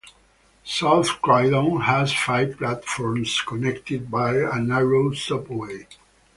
South Croydon has five platforms connected by a narrow subway.